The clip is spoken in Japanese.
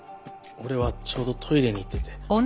俺はちょうどトイレに行ってて。